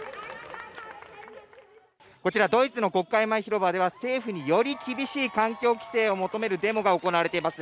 こちら、ドイツの国会前広場では政府により厳しい環境規制を求めるデモが行われています。